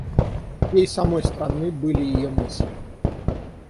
Ей самой странны были ее мысли.